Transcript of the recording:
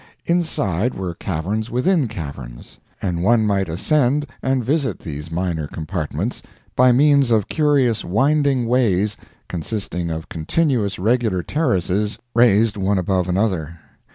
Inside were caverns within caverns; and one might ascend and visit these minor compartments by means of curious winding ways consisting of continuous regular terraces raised one above another.